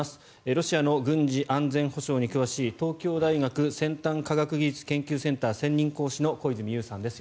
ロシアの軍事・安全保障に詳しい東京大学先端科学技術研究センター専任講師の小泉悠さんです。